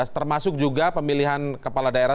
termasuk juga pemilihan kepala daerah